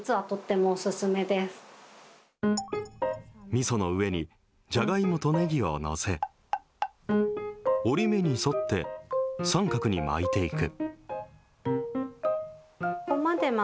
みその上にじゃがいもとねぎを載せ、折り目に沿って三角に巻いていく。